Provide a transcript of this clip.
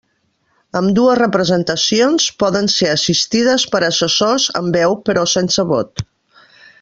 Ambdues representacions poden ser assistides per assessors amb veu però sense vot.